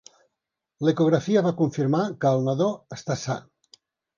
L'ecografia va confirmar que el nadó està sa.